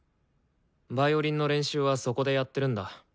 ヴァイオリンの練習はそこでやってるんだ。